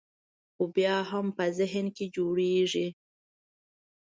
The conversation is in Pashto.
خو بیا هم په ذهن کې جوړېږي.